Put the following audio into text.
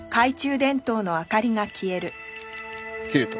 切れた。